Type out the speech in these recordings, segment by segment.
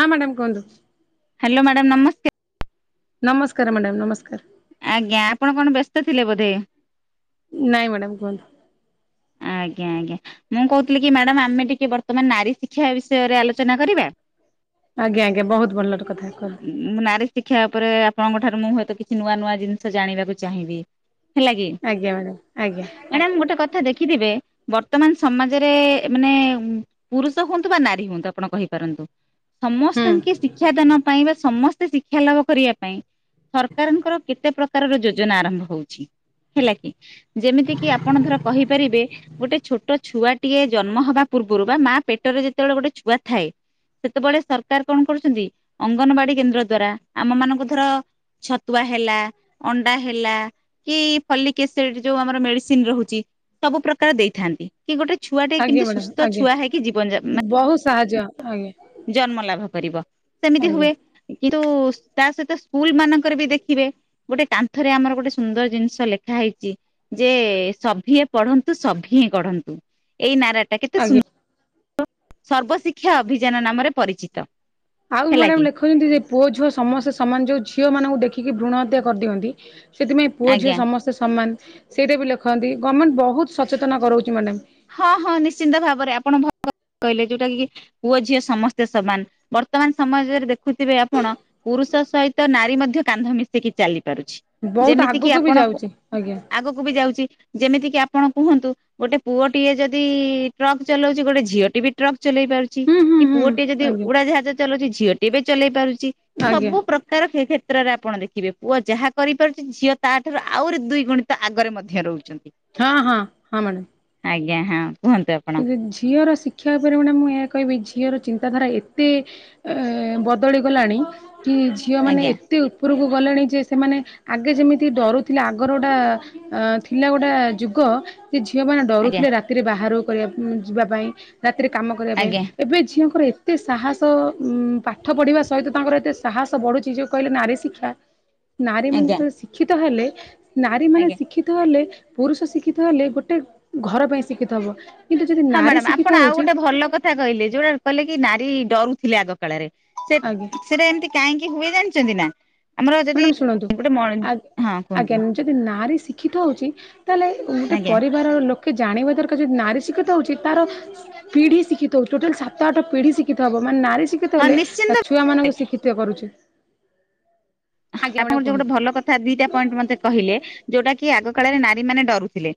ହଁ ମ୍ୟାଡ଼ାମ କୁହନ୍ତୁ? Hello madam ନମସ୍କା ନମସ୍କାର ମ୍ୟାଡ଼ାମ୍ ନମସ୍କାର। ଆଜ୍ଞା ଆପଣ କଣ ବ୍ୟସ୍ତ ଥିଲେ ବୋଧେ? ନାଇଁ ମ୍ୟାଡ଼ାମ କୁହନ୍ତୁ। ଆଜ୍ଞା ଆଜ୍ଞା ମୁଁ କହୁଥିଲି କି ମ୍ୟାଡ଼ାମ ଆମେ ଟିକି ବର୍ତ୍ତମାନ ନାରୀ ଶିକ୍ଷା ବିଷୟରେ ଆଲୋଚନା କରିବା? ଆଜ୍ଞା ଆଜ୍ଞା ବହୁତ୍ ଭଲର କଥା କୁହ? ଉଁ ମୁଁ ନାରୀ ଶିକ୍ଷା ଉପରେ ଆପଣଙ୍କ ଠାରୁ ମୁଁ ହୁଏତ କିଛି ନୂଆ ନୂଆ ଜିନିଷ ଜାଣିବାକୁ ଚାହିଁବି। ହେଲା କି ଆଜ୍ଞା ମ୍ୟାଡ଼ାମ ଆଜ୍ଞା ମ୍ୟାଡାମ ଗୋଟେ କଥା ଦେଖିଥିବେ ବର୍ତ୍ତମାନ ସମାଜରେ ଏ ମାନେ ଉଁ। ପୁରୁଷ ହୁଅନ୍ତୁ ବା ନାରୀ ହୁଅନ୍ତୁ ଆପଣ କହିପାରନ୍ତୁ ହୁଁ। ସମସ୍ତିଙ୍କି ଶିକ୍ଷାଦାନ ପାଇଁ ବା ସମସ୍ତେ ଶିକ୍ଷା ଲାଭ କରିବା ପାଇଁ ସରକାରଙ୍କର କେତେ ପ୍ରକାରର ଯୋଜନା ଆରମ୍ଭ ହଉଛି ହେଲା କି ଯେମିତି କିି ଆପଣ ଧର କହିପାରିବେ ଗୋଟେ ଛୋଟ ଛୁଆଟିଏ ଜନ୍ମ ହବା ପୂର୍ବରୁ ବା ମା ପେଟରେ ଯେତେବେଳେ ଗୋଟେ ଛୁଆ ଥାଏ। ସେତେବେଳେ ସରକାର କଣ କରୁଛନ୍ତି ଅଙ୍ଗନବାଡି କେନ୍ଦ୍ର ଦ୍ଵାରା ଆମ ମାନଙ୍କୁ ଧର ଛତୁଆ ହେଲା ଅଣ୍ଡା ହେଲା କି ଫଲିକ ଏସିଡି ଯୋଉ ଆମର ମେଡ଼ିସିନ୍ ରହୁଛି। ସବୁ ପ୍ରକାର ଦେଇଥାନ୍ତି କି ଗୋଟେ ଛୁଆ ଟେ ଆଜ୍ଞା କେମିତି ମ୍ୟାଡ଼ାମ ସୁସ୍ଥ ଆଜ୍ଞା ଛୁଆ ହେଇକି ଜୀବନ ଯା ବହୁତ ସାହାଯ୍ୟ ଆଜ୍ଞା ମାନେ ଜନ୍ମ ଲାଭ କରିବ ସେମିତି ଆଜ୍ଞା ହୁଏ। କିନ୍ତୁ ତା ସହିତ ସ୍କୁଲ୍ ମାନଙ୍କରେ ବି ଦେଖିବେ ଗୋଟେ କାନ୍ଥରେ ଆମର ଗୋଟେ ସୁନ୍ଦର ଜିନିଷ ଲେଖା ହେଇଛି। ଯେ ସଭିଏଁ ପଢନ୍ତୁ ସଭିଏଁ ଗଢନ୍ତୁ ଏଇ ନାରା ଟା କେତେ ସୁ ଆଜ୍ଞା। ସର୍ବଶିକ୍ଷା ଅଭିଯାନ ନାମରେ ପରିଚିତ। ଆଉ ହେଲା ମ୍ୟାଡାମ କି ଲେଖୁଛନ୍ତି ଯେ ପୁଅ ଝୁଅ ସମସ୍ତେ ସମାନ ଯୋଉ ଝିଅ ମାନଙ୍କୁ ଦେଖିକି ଭ୍ରୃଣ ହତ୍ୟା କରିଦିଅନ୍ତି। ସେଥିପାଇଁ ପୁଅ ଝିଅ ଆଜ୍ଞା ସମସ୍ତେ ସମାନ ସେଇଟା ବି ଲେଖନ୍ତି ଗମେଣ୍ଟ ବହୁତ୍ ସଚେତନ କରଉଛି ମ୍ୟାଡ଼ାମ୍। ହଁ ହଁ ନିଶ୍ଚିନ୍ତ ଭାବରେ ଆପଣ ଭଲ କହିଲେ ଯୋଉଟା କି ପୁଅ ଝିଅ ସମସ୍ତେ ସମାନ ବର୍ତ୍ତମାନ ସମାଜରେ ଦେଖୁଥିବେ ଆପଣ ପୁରୁଷ ସହିତ ନାରୀ ମଧ୍ୟ କାନ୍ଧ ମିଶେଇକି ଚାଲି ପାରୁଛି। ବହୁତ ଯେମିତିକି ଆଗକୁ ବି ଆପଣ କ ଯାଉଛି ଆଜ୍ଞା ଆଗକୁ ବି ଯାଉଛି ଯେମିତି କିି ଆପଣ କୁହନ୍ତୁ ଗୋଟେ ପୁଅଟିଏ ଯଦି ଟ୍ରକ୍ ଚଲଉଛି ଗୋଟେ ଝିଅଟି ବି ଟ୍ରକ୍ ଚଲେଇ ପାରୁଛି। ହୁଁ ହୁଁ କି ହୁଁ ପୁଅଟିଏ ଯଦି ଆଜ୍ଞା ଉଡାଜାହାଜ ଚଲଉଛି ଝିଅଟିଏ ବି ଚଲେଇ ପାରୁଛି ଆଜ୍ଞା। ସବୁ ପ୍ର କାର କ୍ଷେ କ୍ଷେ କ୍ଷେତ୍ରରେ ଆପଣ ଦେଖିବେ ପୁଅ ଯାହା କରିପାରୁଛି ଝିଅ ତା ଠାରୁ ଆହୁରି ଦୁଇ ଗୁଣି ତ ଆଗରେ ମଧ୍ୟ ରହୁଛନ୍ତି। ହଁ ହଁ ହଁ ମ୍ୟାଡ଼ାମ୍। ଆଜ୍ଞା ହଁ କୁହନ୍ତୁ ଆ କିନ୍ତୁ ଝିଅର ଶିକ୍ଷା ଉପରେ ମ୍ୟାଡ଼ାମ ମୁଁ ଏହା କହିବି ଝିଅର ଚିନ୍ତାଧାରା ଏତେ ଏ ବଦଳି ଗଲାଣି କି ଝିଅ ମାନେ ଏ ଆଜ୍ଞା ଏତେ ଉପୁରୁକୁ ଗଲେଣି ଯେ ସେମାନେ ଆଗେ ଯେମିତି ଡରୁଥିଲେ ଆଗର ଗୋଟା। ଅ ଥିଲା ଗୋଟେ ଯୁଗ ସେ ଝିଅ ମାନେ ଆଜ୍ଞା ଡରୁଥିଲେ ରାତିରେ ବାହାର କରିବା ଯିବା ପାଇଁ। ରାତିରେ କାମ କରିବା ପାଇଁ ଆଜ୍ଞା ଏବେ ଝିଅଙ୍କର ଏ ଏତେ ସାହାସ ଉଁ ପାଠ ପଢ଼ିବା ସହିତ ତାଙ୍କର ଏତେ ସାହସ ବଢୁଛି ଯୋଉ କହିଲେ ନାରୀ ଶିକ୍ଷା। ନାରୀ ମାନେ ଆଜ୍ଞା ଯେତେବେଳେ ଶିକ୍ଷିତ ହେଲେ ନାରୀ ମାନେ ଆଜ୍ଞା ଶିକ୍ଷି ଶିତ ହେଲେ ପୁରୁଷ ଶିକ୍ଷିତ ହେଲେ ଗୋଟେ ଘର ପାଇଁ ଶିକ୍ଷିତ ହବ। କିନ୍ତୁ ଯଦି ହଁ ନାରୀ ମ୍ୟାଡାମ ଶିକ୍ଷିତ ଆପଣ ଆଉ ହଉଛି ଗୋଟେ ଭଲ କ କଥା କହିଲେ ଯୋଉଟା କହିଲେ କି ନାରୀ ଡରୁଥିଲେ ଆଗ କାଳରେ ସେ ଆଜ୍ଞା ସେଇଟା ଏମିତି କାହିଁକି ହୁଏ ଜାଣିଛନ୍ତି ନା ଆମର ଯଦି ମ୍ୟାଡ଼ାମ ଶୁଣନ୍ତୁ ଗୋଟେ ମ ଆ ହଁ ଆଜ୍ଞା କୁହନ୍ତୁ। ଯଦି ନାରୀ ଶିକ୍ଷିତ ହେଉଛି ତାହେଲେ ଗୋଟେ ଆଜ୍ଞା ପରିବାରର ଲୋ କେ ଜାଣିବା ଦରକାର ଯଦି ନାରୀ ଶିଖିତ ହଉଛି ତାର ପିଢି ଶିଖିତ ହୁ ଟୋଟାଲ ସାତ ଆଠ ପିଢି ଶିଖିିତହେବ ମାନେ ନାରୀ ଶିଖ ଶିକ୍ଷିତ ହଁ ହେଲେ ନିଶ୍ଚିନ୍ତ ତା ଛୁଆ ମାନଙ୍କୁ ଶିକ୍ଷିତ କରୁଛି। ଆଜ୍ଞା ମ୍ୟାଡ଼ାମ ଆପଣଙ୍କର ଯୋଉ ଗୋଟେ କୁହନ୍ତୁ ଭଲ କଥା ଦିଟା ପଏଣ୍ଟ ମତେ କହିଲେ ଯୋଉଟା କି ଆଗ କାଳରେ ନାରୀ ମାନେ ଡରୁଥିଲେ।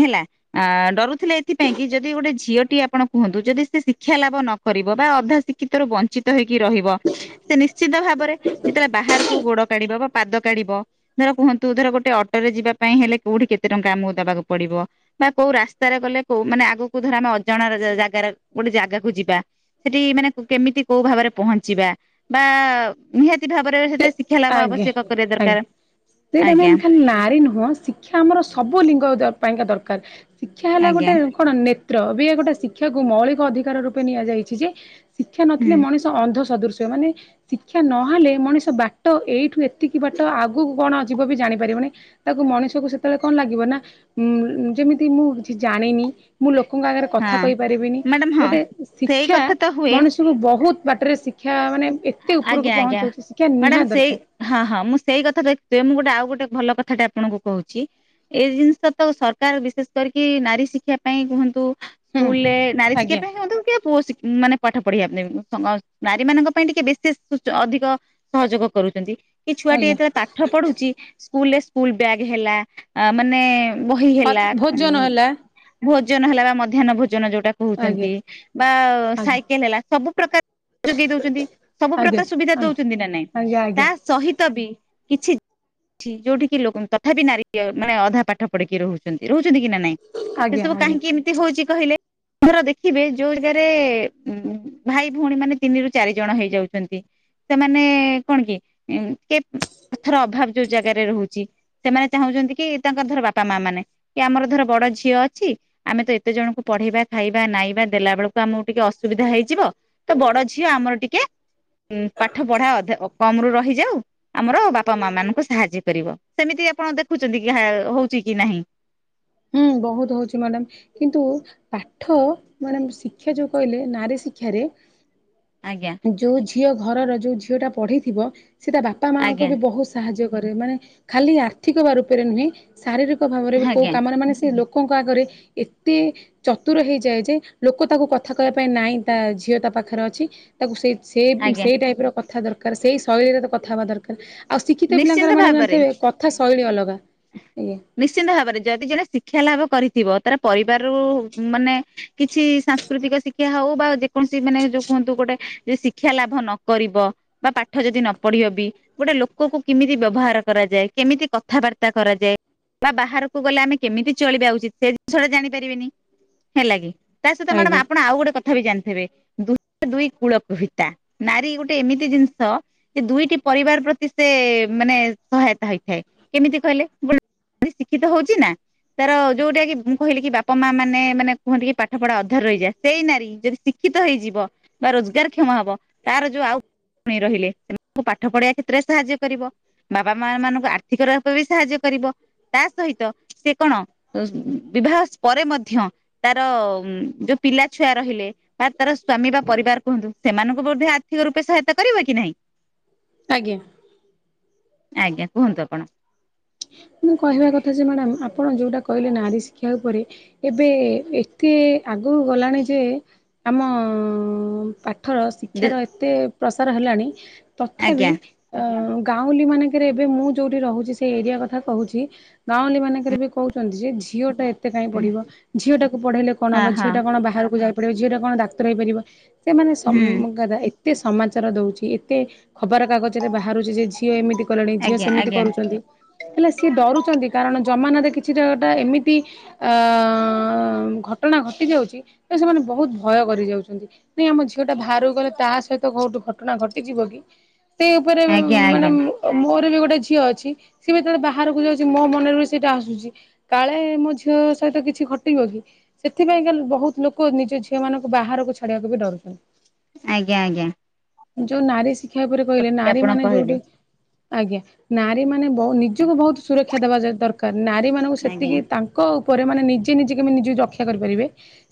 ହେଲା। ଆ ଡରୁଥିଲେ ଏଥିପାଇଁ କି ଯଦି ଗୋଟେ ଝିଅଟିଏ ଆପଣ କୁହନ୍ତୁ ଯଦି ସେ ଶିକ୍ଷା ଲାଭ ନ କରିବ ବା ଅଧା ଶି ଶିକ୍ଷିତରୁ ବଞ୍ଚିତ ହେଇକି ରହିବ ସେ ନିଶ୍ଚିିତ ଭାବରେ ଯେତେବେଳେ ବାହାରକୁ ଗୋଡ କାଢି କିବାବ ପାଦ କାଢିବ। ଧର କୁହନ୍ତୁ ଧର ଗୋଟେ ଅଟୋରେ ଯିବା ପାଇଁ ହେଲେ କୋଉଠି କେତେ ଟଙ୍କା ଆମକୁ ଦବାକୁ ପଡିବ। ବା କୋଉ ରାସ୍ତାରେ ଗଲେ କୋଉ ମାନେ ଆଗକୁ ଧର ଆମେ ଅଜାଣାର ଜାଗାରେ ଗୋଟେ ଜାଗାକୁ ଯିବା ସେଠି ମାନେ କେମିତି କୋଉ ଭାବରେ ପହଞ୍ଚିବା ବା ନିହାତି ଭାବରେ ସେ ସେଟା ଶି ଆଜ୍ଞା ଆଜ୍ଞା ସେଇଟା ଆଜ୍ଞା ମ୍ୟାମ୍ ଖାଲି ନାରୀ ନୁହଁ ଶିକ୍ଷା ଆମର ସବୁ ଲିଙ୍ଗ ପାଇଁକା ଦରକାର ଶିକ୍ଷା ହେଲା ଗୋଟେ ଆଜ୍ଞା କଣ ନେତ୍ର ବି ଏ ଗୋଟେ ଶିକ୍ଷାକୁ ମୌଳିକ ଅଧିକାର ରୂପେ ନିଆଯାଇଛି ଯେ ଶିକ୍ଷା ହୁଁ ନଥିଲେ ମଣିଷ ତ ଅନ୍ଧ ସଦୃଶ ମାନେ ଶିକ୍ଷା ନହେଲେ ମଣିଷ ତ ବାଟ ଏଇଠୁ ଏତିକି ବାଟ ଆଗକୁ କଣ ଯିବ ବି ଜାଣିପାରିବନି। ତାକୁ ମଣିଷକୁ ସେତେବେଳେ କଣ ଲାଗିବ ନା ଯେମିତି ମୁଁ କିଛି ଜାଣିନି। ମୁଁ ଲୋକଙ୍କ ଆଗରେ କଥା ହଁ କହିପାରିବିନି ମ୍ୟାଡାମ ହଁ ଗୋଟେ ସେଇ ଶିକ୍ଷା କଥା ତ ହୁଏ ମଣିଷ ବହୁତ ବାଟରେ ଶିକ୍ଷା ମାନେ ଏତେ ଉପରକୁ ଆଜ୍ଞା ଆଜ୍ଞା ପହଞ୍ଚାଉଛି ମ୍ୟାଡାମ ସେଇ ହଁ ହଁ ମୁଁ ସେଇ କଥା ଦେଖିଥିବେ ମୁଁ ଗୋଟେ ଆଉ ଗୋଟେ ଭଲ କଥାଟେ ଆପଣଙ୍କୁ କହୁଛି। ଏଇ ଜିନିଷ ତ ସରକାର ବିଶେଷ କରିକି ନାରୀ ଶିକ୍ଷା ପାଇଁ କୁହନ୍ତୁ ହୁଁ ସ୍କୁଲ ରେ ନାରୀ ଶିକ୍ଷା ଆଜ୍ଞା। ପାଇଁ ହୁଅନ୍ତୁ କି ପୁଅ ଶିକ୍ଷା ମାନେ ପାଠ ପଢିବା ନାରୀ ମାନଙ୍କ ପାଇଁ ଟିକେ ବିଶେଷ ଅଧିକ ସହଯୋଗ କରୁଛନ୍ତି କି ଛୁଆଟି ଆଜ୍ଞା ଯେତେଳେ ପାଠ ପଢୁଛି ସ୍କୁଲରେ ସ୍କୁଲ ବ୍ୟାଗ୍ ହେଲା ମାନେ ବହି ମା ହେଲା ଭୋଜନ ଉୁଁ। ହେଲା ଭୋଜନ ହେଲା ବା ମଧ୍ୟାହ୍ନ ଭୋଜନ ଯୋଉଟା ଆଜ୍ଞା କହୁଛନ୍ତି ବା ଆଜ୍ଞା ସାଇକେଲ ହେଲା ସବୁ ପ୍ରକାର ଯୋଗେଇ ଦଉଛନ୍ତି ସବୁ ଆଜ୍ଞା ପ୍ରକାର ସୁବିଧା ଆଜ୍ଞା। ଦଉଛନ୍ତି ନା ନାଇଁ ଆଜ୍ଞା ତା ଆଜ୍ଞା ସହିତ ବି କିଛି ଯୋଉଠି କି ଲୋକ ତଥାପି ନାରୀ ମାନେ ଅଧା ପାଠ ପଢିକି ରହୁଛନ୍ତି ରହୁଛନ୍ତି କି ନା ନାଇଁ। ସେ ଆଜ୍ଞା ସବୁ ଆଜ୍ଞା କାହିଁକି ଏମି ତି ହଉଛି କହିଲେ ଧର ଦେଖିବେ ଯୋଉ ଜାଗାରେ ଭାଇ ଭଉଣୀ ମାନେ ତିନି ରୁ ଚାରି ଜଣ ହେଇଯାଉଛନ୍ତି। ସେମାନେ କଣ କି କେ ପଥର ଅଭାବ ଯୋଉ ଜାଗାରେ ରହୁଛି। ସେମାନେ ଚାହୁଁଛନ୍ତି କି ତାଙ୍କର ଧର ବାପା ମା ମାନେ କି ଆମର ଧର ବଡ ଝିଅ ଅଛି। ଆମେ ତ ଏତେ ଜଣଙ୍କୁ ପଢେଇବା ଖାଇବା ନାଇବା ଦେଲା ବେଳକୁ ଆମକୁ ଟିକେ ଅସୁବିଧା ହେଇଯିବ। ତ ବଡ ଝିଅ ଆମର ଟିକେ ଉ ପାଠ ପଢା ଅଧା କମ ରୁ ରହିଯାଉ। ଆମର ବାପା ମା ମାନଙ୍କୁ ସାହାଯ୍ୟ କରିବ ସେମିତି ଆପଣ ଦେଖୁଛନ୍ତି କି ହଉଛି କି ନାହିଁ? ହୁଁ ବହୁତ ହଉଛି ମ୍ୟାଡ଼ାମ। କିନ୍ତୁ ପାଠ ମାନେ ଶିକ୍ଷା ଯୋଉ କହିଲେ ନାରୀ ଶିକ୍ଷାରେ ଆଜ୍ଞା। ଯୋଉ ଝିଅ ଘର ଯୋଉ ଝିଅ ଟା ପଢିଥିବ ସେଟା ବାପା ମାଙ୍କୁ ଆଜ୍ଞା ବି ବହୁଶୂ ସାହାଯ୍ୟ କରେ ମାନେ ଖାଲି ଆର୍ଥିକ ରୂପରେ ନୁହେଁ ଶାରୀରିକ ଭାବରେ କୋଉ ଆଜ୍ଞା। କାମରେ ମାନେ ସେ ଲୋକଙ୍କ ଆଗରେ ଏତେ ଚତୁର ହେଇଯାଏ ଯେ ଲୋକ ତାକୁ କଥା କହିବା ପାଇଁ ନାଇଁ ତା ଝିଅ ତା ପାଖରେ ଅଛି। ତାକୁ ସେଇ ସେଇ ଆଜ୍ଞା ସେଇ ଟାଇପ ର କଥା ଦରକାର ସେଇ ଶୈଳୀରେ କଥା ହବା ଦରକାର ଆଉ ଶିକ୍ଷିତ ପିଲାଙ୍କର ନିଶ୍ଚିନ୍ତ ମ୍ୟାଡ଼ାାମ ଭାବରେ ଜାଣିଥିବେ କଥା ଶୈଳୀ ଅଲଗା ଆଜ୍ଞା। ନିଶ୍ଚିନ୍ତ ଭାବରେ ଯଦି ଜଣେ ଶିକ୍ଷା ଲାଭ କରିଥିବ ତାର ପରିବାରରୁ ମାନେ କିଛି ସାଂସ୍କୃତିକ ଶିକ୍ଷା ହଉ ବା ଯେକୌଣସି ମାନେ ଯୋଉ କୁହନ୍ତୁ ଗୋଟେ ଶିକ୍ଷା ଲାଭ ନକିବ ବା ପାଠ ଯଦି ନ ପଢିବ ବି ଗୋଟେ ଲୋକ ଲୋକକୁ କେମିତି ବ୍ୟବହାର କରାଯାଏ କେମିତି କଥାବାର୍ତ୍ତା କରାଯାଏ ବା ବାହାରକୁ ଗଲେ ଆମେ କେମିତି ଚଳିବା ଉଚିତ ସେ ଜିନିଷ ଟା ଜାଣିପାରିବିନି ହେଲା କି। ତା ସହିତ ମଡାମ ଆଜ୍ଞା ଆପଣ ଆ ଗୋଟେ ବି ଜାଣିଥିବେ ଦୁ ଦୁଇ କୂଳ କହିତା ନାରୀ ଗୋଟେ ଏମିତି ଜିନିଷ ଏ ଦୁଇଟି ପରିବାର ପ୍ରତି ସେ ମାନେ ସହାୟତା ହେଇଥାଏ କେମିତି କହିଲେ ଶିକ୍ଷିତ ହଉଛି ନା ତାର ଯୋଉଟା କି ମୁଁ କହିଲି କି ବାପା ମା ମାନେ ମାନେ କୁହନ୍ତି କି ପାଠ ପଢା ଅଧର ରହିଯା ସେଇ ନାରୀ ଯଦି ଶ୍ ଶିକ୍ଷିତ ହେଇଯିବ ବା ରୋଜଗାର କ୍ଷମ ହବ ତାର ଯୋଉ ଆଉଣୀ ରହିଲେ ସେମାନଙ୍କୁ ପାଠ ପଢିବା୍ ସାହାଯ୍ୟ କରିବ ବାପା ମା ମାନଙ୍କୁ ଆର୍ଥିକ ରୂପ ବି ସାହାଯ୍ୟ କରିବ ତା ସହିତ ସେ କଣ ବିବାହ ପରେ ମଧ୍ୟ ତାର ଯୋଉ ପିଲା ଛୁଆ ରହିଲେ ବା ତାର ସ୍ଵାମୀ ବା ପରିବାର କୁହନ୍ତୁ ସେମାନଙ୍କୁ ମଧ୍ୟ ଆର୍ଥିକ ରୂପେ ସହାୟତା କରିବ କି ନାହିଁ। ଆଜ୍ଞା ଆଜ୍ଞା କୁହନ୍ତୁ ଆପଣ। ମୁଁ କହିବା କଥା ଯେ ମ୍ୟାଡ଼ାାମ ଆପଣ ଯୋଉଟା କହିଲେ ନାରୀ ଶିକ୍ଷା ଉପରେ ଏବେ ଏତେ ଆଗକୁ ଗଲାଣି ଯେ ଆମ ପାଠର ଶିକ୍ଷାର ଏତେ ପ୍ରସାର ହେଲାଣି ତଥାପି ଆଜ୍ଞା ଅ ଗାଉଁଲି ମାନଙ୍କରେ ଏବେ ମୁଁ ଯୋଉଠି ରହୁଛି ଏରିଆ କଥା କହୁଛି ଗାଉଁଲି ମାନଙ୍କରେ ବି କହୁଛନ୍ତି ଯେ ଝିଅଟା କେତ କାଇଁ ପଢିବ ଝିଅ ଟାକୁ ପଢେଇଲେ କଣ ହବ ହଁ ଝିଅ ହଁ ଟା କଣ ବାହାରକୁ ଯାଇ ପାରିବ ଝିଅ ଟା କଣ ଡାକ୍ତର ହେଇାରିବ ସେମାନେ ସମ ହୁଁ ଏତେ ସମାଚାର ଦଉଛି ଏତେ ଖବର କାଗଜ ରେ ବାହାରୁଛି ଯେ ଝିଅ ଏମିତି କଲେଣି ଝିଅ ଆଜ୍ଞା ସେମିତି ଆଜ୍ଞା କରୁଛନ୍ତି ହେଲେ ସିଏ ଡରୁଛନ୍ତି କାରଣ ଜମାନାରେ କିଛିଟା ଗୋଟା ଏମିତି ଅ ଘଟଣା ଘଟି ଯାଉଛି ତ ସେମାନେ ବହୁତ ଭୟ କରି ଯାଉଛନ୍ତି। ନାଇଁ ଆମ ଝିଅ ଟା ବାହହାରକୁ ଗଲେ ତା ସହିତ କୋଉଠୁ ଘଟଣା ଘଟିଯିବ କି? ସେ ଉପରେ ଆଜ୍ଞା ମାନେ ଆଜ୍ଞା ମୋର ବି ଗୋଟେ ଝିଅ ଅଛି ସିଏ ଯେତେବେଳେ ବାହାରକୁ ଯାଉଛି ମୋ ମନରେ ବି ସେଇଟା ଆସୁଛି। କାଳେ ମୋ ଝିଅ ସହିତ କିଛି ଘଟିବ କି? ସେଥିପାଇଁ କା ବହୁତ ଲୋକ ନିଜ ଝିଅ ମାନଙ୍କୁ ବାହାରକୁ ଛାଡିବାକୁ ବି ଡରୁଛନ୍ତି। ଆଜ୍ଞା ଆଜ୍ଞା ଯୋଉ ନାରୀ ଶିକ୍ଷା ଉପରେ କହିଲେ ନାରୀ ଆପଣ ମାନେ କହିଲେ ଯୋଉଠି ଆଜ୍ଞା ନାରୀ ମାନେ ନିଜକୁ ବହୁତ ସୁରକ୍ଷା ଦେବା ଦରକାର ନାରୀମାନଙ୍କୁ ଆଜ୍ଞା ସେତିକି ତାଙ୍କ ଙ୍କ ଉପରେ ମାନେ ନିଜେ ନିଜେ କେମି ନିଜେ ରକ୍ଷା କରିପାରିବେ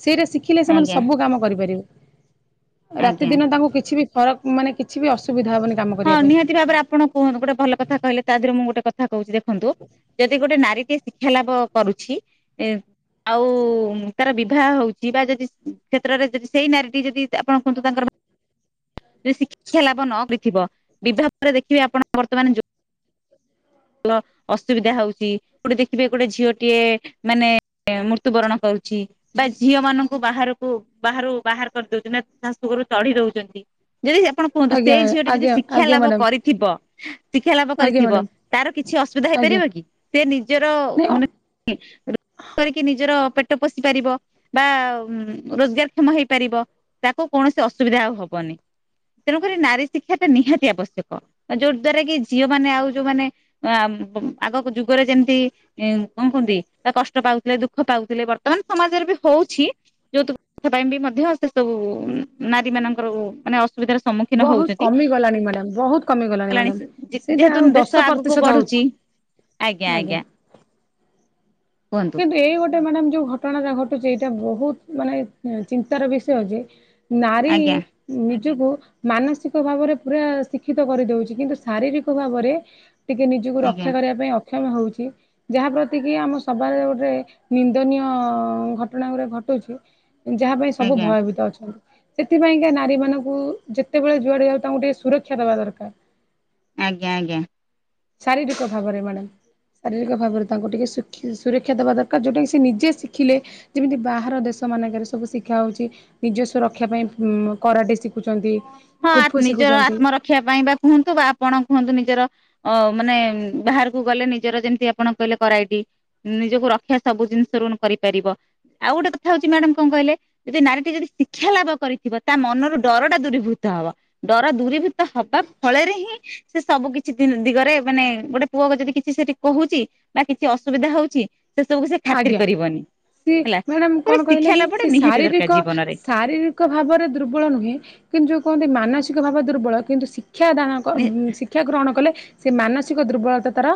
ସେଇଟା ଶି ଶିଖିଲେ ସେମାନେ ଆଜ୍ଞା ସବୁ କାମ କରିପାରିବେ ଆଜ୍ଞା ରାତିଦିନ ତାଙ୍କୁ କିଛି ବି ଫରକ୍ ମାନେ କିଛି ବି ଅସୁବିଧା ହବନି। କାମ ହଁ କରିବା ପାଇଁ। ନିହାତି ଭାବରେ ଆପଣ କୁହନ୍ତୁ ଗଟେ ଭଲ କହିଲେ ତା ଦେହରେ ମୁଁ ଗୋଟେ କଥା କହୁଛି ଦେଖ ଦେଖନ୍ତୁ ଯଦି ଗୋଟେ ନାରୀଟିଏ ଶିକ୍ଷା ଲାଭ କରୁଛି ଆଉ ତାର ବିବାହ ହଉଛି ବା ଯଦି କ୍ଷେତ୍ରରେ ଯଦି ସେଇ ନାରୀଟି ଯଦି ଆପଣ କୁହନ୍ତୁ ତାଙ୍କର ଶିକ୍ଷା ଲାଭ ନ ବିଥିବ ବିବାହ ପରେ ଦେଖିବେ ଆପଣ ବର୍ତ୍ତମାନ ଭଲ ଅସୁବିଧା ହଉଛି ଗୋଟେ ଦେଖିବେ ଗୋଟେ ଝିଅଟିଏ ମାନେ ମୃତ୍ୟୁବରଣ କରୁଛି ବା ଝିଅ ମାନଙ୍କୁ ବାହାରକୁ ବାହାରୁ ବାହାର କରିଦଉଛନ୍ତି ନା ଶାଶୁ ଘରୁ ତଢି ଦଉଛନ୍ତି। ଯଦି ଆପଣ କୁହନ୍ତୁ ଆଜ୍ଞା ସେଇ ଝିଅଟି ଯଦି ଆଜ୍ଞା ଶିକ୍ଷା ଆଜ୍ଞା ଲାଭ ମ୍ୟାଡ଼ାମ କରିଥିବ ଶିକ୍ଷା ଲାଭ ଆଜ୍ଞା କରିଥିବ ମ୍ୟାଡ଼ାମ ତାର କିଛି ଅସୁବିଧା ଆଜ୍ଞା ହେଇପାରିବ କି ସେ ନିଜର ନାଇଁ ମାନେ କରିକି ନିଜର ପେଟ ପୋଷି ପାରିବ ବା ରୋଜଗାର କ୍ଷମ ହେଇପାରିବ। ତାକୁ କୌଣସି ଅସୁବିଧା ଆଉ ହବନି। ତେଣୁକରି ନାରୀ ଶିକ୍ଷାଟା ନିହାତି ଆବଶ୍ୟକ ଯୋଉ ଦ୍ଵାରା କି ଝିଅ ମାନେ ଆଉ ଯୋଉମାନେ ଆ ଆଗକୁ ଯୁଗରେ ଯେମିତି ଏଁ କଣ କୁହନ୍ତି ତ କଷ୍ଟ ପାଉଥିଲେ ଦୁଃଖ ପାଉଥିଲେ ବର୍ତ୍ତମାନ ସମାଜରେ ବି ହଉଛି। ଯୌତୁକ ପାଇଁ ବି ମଧ୍ୟ ସେ ସବୁ ନାରୀ ମାନଙ୍କର ଉଁ ମାନେ ଅସୁବିଧା ର ସ ସମ୍ମୁଖୀନ ବହୁତ ହଉଛନ୍ତି କମି ଗଲାଣି ମ୍ୟାଡ଼ାମ ବହୁତ କମି ଗଲାଣି ହେଲାଣି ମ୍ୟାଡ଼ାମ ଯେ ସେଇଟା ଯେହେତୁ ଆଉ ଦେ ଦଶ ଶ ଆଗୁକୁ ପ୍ରତିଶତ ହଉଛି ବଢୁଛି ଆଜ୍ଞା ଆଜ୍ଞା କୁହନ କିନ୍ତୁ ଏଇ ଗୋଟେ ମ୍ୟାଡାମ୍ ଯୋଉ ଘଟଣା ଟା ଘଟୁଛି ଏଇଟା ବହୁତ ମାନେ ଚିନ୍ତାର ବିଷୟ ହଉଛି ନାରୀ ଆଜ୍ଞା ନିଜକୁ ମାନସିକ ଭାବରେ ପୁରା ଶିକ୍ଷିତ କରିଦଉଛି କିନ୍ତୁ ଶାରୀରିକ ଭାବରେ ଟିକେ ନିଜକୁ ଆଜ୍ଞା ରକ୍ଷା କରିବା ପାଇଁ ଅକ୍ଷମ ହଉଛି ଯାହା ପ୍ରତି କି ଆମ ସ ସମାଜରେ ଗୋଟେ ନିନ୍ଦନୀୟ ଘଟଣା ଗୁରା ଘଟୁଛି ଯାହା ପାଇଁ ସ ସବୁ ଆଜ୍ଞା ଭୟଭୀତ ଅଛନ୍ତି। ସେଥିପାଇଁକା ନାରୀମାନଙ୍କୁ ଯେତେବେଳେ ଯୁଆଡ଼େ ଯାଉଛୁ ତାଙ୍କୁ ଟିକେ ସୁରକ୍ଷା ଦବା ଦରକାର। ଆଜ୍ଞା ଆଜ୍ଞା। ଶାରୀରିକ ଭାବରେ ମ୍ୟାଡ଼ାମ୍। ଶାରୀରିକ ଭାବରେ ତାଙ୍କୁ ଟିକେ ସୁରକ୍ଷା ସୁରକ୍ଷା ଦବା ଦରକାର ଯୋଉଟାକି ସେ ନିଜେ ଶିଖିଲେ ଯେମିତି ବାହାର ଦେଶ ମାନଙ୍କେରେ ସବୁ ଶିଖା ହଉଛି ନିଜ ସୁରକ୍ଷା ପାଇଁ ଉଁ କରାଡି ଶି ଶିଖୁଛନ୍ତି କୁମ୍ଫୁ ଶିଖୁଛନ୍ତି। ରଖିବା ପାଇଁ ବା କୁହନ୍ତୁ ବା ଆପଣ କୁହନ୍ତୁ ନିଜର ଅ ମାନେ ବାହାରକୁ ଗଲେ ନିଜର ଯେମିତି ଆପଣ କହିଲେ କରାଡି ନିଜକୁ ରକ୍ଷା ସବୁ ଜିନିଷରୁ କରିପାରିବ। ଆଉ ଗୋଟେ କଥା ହଉଛି ମ୍ୟାଡାମ୍ କଣ କହିଲେ ଯଦି ନାରୀଟି ଯଦି ଶିକ୍ଷା ଲାଭ କରିଥିବ ତା ମନରୁ ଡର ବା ଦୂରୀଭୂତ ହବ ଡର ଦୂରୀଭୂତ ହବା ଫଳରେ ହିଁ ସେ ସବୁ କିଛି ଦିନ ଦିଗରେ ମାନେ ଗୋଟେ ପୁଅ ଆଗ ଯଦି କିଛି ସେଠି କହୁଛି ବା କିଛି ଅସୁବିଧା ହଉଛି ସେ ସବୁ ସେ ଖାତିର ଆଜ୍ଞା କରିବନି ସିଏ ହେଲା। ମ୍ୟାଡ଼ାମ୍ କଣ କହିଲେ ଶିକ୍ଷା କି ଲାଭଟା ସେ ନିହାତି ଦରକାର ଶାରୀରିକ ଜୀବନରେ ଶାରୀରି କ ଭାବରେ ଦୁର୍ବଳ ନୁହେଁ କିନ୍ତୁ ଯୋଉ କୁହନ୍ତି ମାନସିକ ଭାବରେ ଦୁର୍ବଳ କିନ୍ତୁ ଶି କ୍ଷା ଦାନକ ଶିକ୍ଷା ଗ୍ରହଣ କଲେ ସେ ମାନସିକ ଦୁର୍ବଳତା ତାର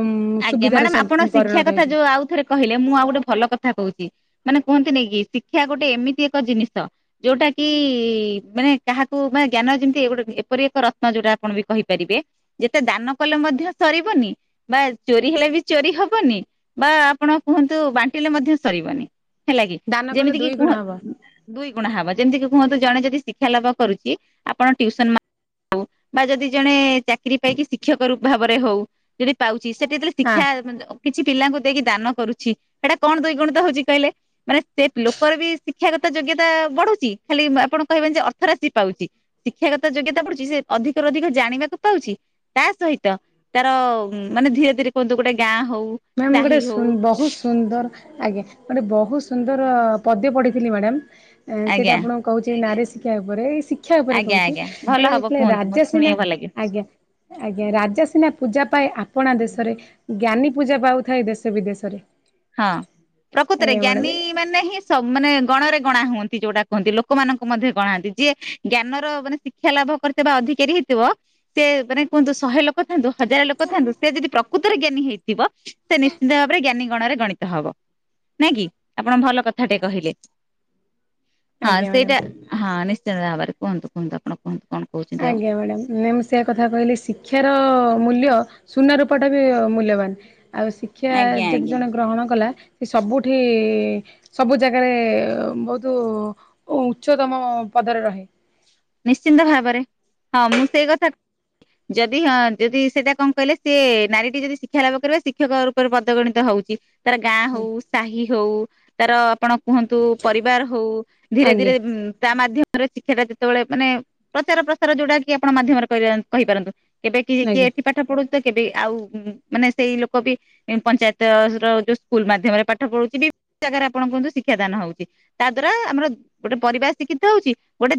ଉଁ ଆଜ୍ଞା ସୁବିଧାରେ ମ୍ୟାଡ଼ାମ୍ ଆପଣ ଶିକ୍ଷା ପରିଣତ କଥା ହେଇଯିବ। ଯୋଉ ଆଉ ଥରେ କହିଲେ ମୁଁ ଆଉ ଗୋଟେ ଭଲ କଥା କହୁଛି। ମାନେ କୁହନ୍ତିନି କି ଶିକ୍ଷା ଗୋଟେ ଏମିତି ଏକ ଜିନିଷ ଯୋଉଟା କି ମାନେ କାହାକୁ ମାନେ ଜ୍ଞାନ ଯେମିତି ଗୋଟେ ଏପରି ଏକ ରତ୍ନ ଯୋଉଟା ଆପଣ ବି କହିପାରିବେ। ଯେତେ ଦାନ କଲେ ମଧ୍ୟ ସରିବନି ବା ଚୋରି ହେଲେ ବି ଚୋରି ହବନି ବା ଆପଣ କୁହନ୍ତୁ ବାଣ୍ଟିଲେ ମଧ୍ୟ ସରିବନି। ହେଲା କି ଦାନ କଲେ ଯେମିତି କିି ଦୁଇ ଗୁଣ କୁହ ହବ ଦୁଇ ଗୁଣା ହବ ଯେମିତିକି କୁହନ୍ତି ଜଣେ ଯଦି ଶିକ୍ଷା ଲାଭ କରୁଛି ଆପଣ ଟ୍ୟୁସନ୍ ମା ହଉ ବା ଯେଦି ଜଣେ ଚାକିରି ପାଇ କି ଶିକ୍ଷକ ରୂ ଭାବରେ ହଉ ଯଦି ପାଉ ଛି ସେଠି ଯେତେବେଳେ ହଁ। ଶିକ୍ଷା କିଛି ପିଲାଙ୍କୁ ଦେଇକି ଦାନ କରୁଛି ସେଇଟା କଣ ଦୁଇଗୁଣିତ ହଉଛି କହିଲେ? ମାନେ ସେ ଲୋକର ବି ଶିକ୍ଷାଗତ ଯୋଗ୍ୟତା ବଢୁଛି ଖାଲି ଆପଣ କହିବେନି ଯେ ଅର୍ଥ ରାଶି ପାଉଛି। ଶିକ୍ଷାଗତ ଯୋଗ୍ୟତା ବଢୁଛି ସେ ଅଧିକରୁ ଅଧିକ ଜାଣିବାକୁ ପାଉଛି ତା ସହିତ ତାର ମାନେ ଧୀରେ ଧୀରେ କୁହନ୍ତୁ ଗୋଟାଏ ଗାଁ ହଉ ମ୍ୟାମ୍ ମୁଁ ଗୋଟେ ସାହି ସୁ ହଉ ବହୁତ ସୁନ୍ଦର ଆଜ୍ଞା ଗୋଟେ ବହୁତ ସୁନ୍ଦର ପଦ୍ୟ ପଢଥିଲି ମ୍ୟାଡାମ୍ ସେଇଟା ଆଜ୍ଞା ଆପଣଙ୍କୁ କହୁଛି ନାରୀ ଶିକ୍ଷା ଉପରେ ଏଇ ଶିକ୍ଷା ଉପରେ ଆଜ୍ଞା କହୁଛି ଆଜ୍ଞା ଭଲ ମାନେ ହବ ଯେତେ ହେଲେ ଏ କୁହନ୍ତୁ ରାଜା ମତେ ସିନା ଶୁଣିବାକୁ ଭଲ ଲାଗେ। ଆଜ୍ଞା। ଆଜ୍ଞା ରାଜା ସିନା ପୂଜା ପାଏ ଆପଣା ଦେଶରେ ଜ୍ଞାନୀ ପୂଜା ପାଉଥାଏ ଦେଶ ବିଦେଶରେ। ହଁ ପ୍ରକୃତରେ ଆଜ୍ଞା ମ୍ୟାଡ଼ାମ ଜ୍ଞାନୀ ମାନେ ହିଁ ସବୁ ମାନେ ଗଣରେ ଗଣା ହୁଅନ୍ତି ଯୋଉଟା କୁହନ୍ତି ଲୋକମାନଙ୍କୁ ମଧ୍ୟ ଗଣାନ୍ତି ଯିଏ ଜ୍ଞାନର ମାନେ ଶି ଶିକ୍ଷା ଲାଭ କରିଥିବା ଅଧିକାରୀ ହେଇଥିବ ସେ ମାନେ କୁହନ୍ତୁ ଶହେ ଲୋକ ଥାନ୍ତୁ ହଜାର ଲୋକ ଥାନ୍ତୁ ସେ ଯଦି ପ୍ରକୃତରେ ଜ୍ଞାନୀ ହେଇଥିବ ସେ ନିଶ୍ଚିିତ ଭାବରେ ଜ୍ଞାନୀ ଗଣରେ ଗଣିତ ହବ ନାଇଁ କି ଆପଣ ଭଲ କଥାଟେ କହିଲେ। ହଁ ଆଜ୍ଞା ମ୍ୟାଡ଼ାମ। ସେଇଟା ହଁ ନିଶ୍ଚିନ୍ତ ଭାବରେ କୁହନ୍ତୁ କୁହନ୍ତୁ। ଆପଣ କୁହନ୍ତୁ କଣ? କହୁଛନ୍ତି ଆଉ। ଆଜ୍ଞା ମ୍ୟାଡ଼ାମ ନାଇ ମୁଁ ସେ କଥା କହିଲେ ଶିକ୍ଷାର ମୂଲ୍ୟ ସୁନା ରୂପଟା ବି ମୂଲ୍ୟବାନ ଆଉ ସେ ଶିକ୍ଷା ଆଜ୍ଞା ଯଦି ଆଜ୍ଞା। ଜଣେ ଗ୍ରହଣ କଲା ସେ ସବୁଠି ସବୁ ଜାଗାରେ ବହୁତ ଉଚ୍ଚତମ ପଦରେ ରହେ। ନିଶ୍ଚିନ୍ତ ଭାବରେ ହଁ ମୁଁ ସେଇ କଥା। ଯଦି ହଁ ଯଦି ସେଇଟା କଣ କହିଲେ ସେ ନାରୀଟି ଯଦି ଶିକ୍ଷା ଲାଭ କରିବା। ଶିକ୍ଷକ ଉପରେ ବଦଗଣିତ ହଉଛି ତାର ଗାଁ ହଉ ସାହି ହଉ ତାର ଆପଣ କୁହନ୍ତୁ ପରିବାର ହଉ ଧୀରେ ଆଜ୍ଞା ଧୀରେ ତା ମାଧ୍ୟମରେ ଶିକ୍ଷା ଟା ଯେତେବେଳେ ମାନେ ପ୍ରଚାର ପ୍ରସାର ଯୋଉଟା କି ଆପଣ ମାଧ୍ୟମରେ କହିପାରନ୍ତୁ। କେବେ କି ଆଜ୍ଞା କିଏଠ ପାଠ ପଢୁଛି ତ କେବେ ଆଉ ମାନେ ସେଇ ଲୋକ ବି ପଞ୍ଚାୟତ ଯୋଉ ସ୍କୁଲ ମାଧ୍ୟମରେ ପାଠ ପଢୁଛି ବିଭିନ୍ନ ଜାଗାରେ ଆପଣ କନ୍ତୁ ଶିକ୍ଷା ଦାନ ହଉଛି। ତା ଦ୍ଵାରା ଆମର ଗୋଟେ ପରିବାର ଶିକ୍ଷିତ ହଉଛି। ଗୋଟେ